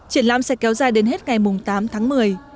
triển lãm sẽ kéo dài đến hết ngày tám tháng một mươi